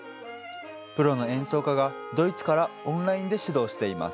プロの演奏家がドイツからオンラインで指導しています。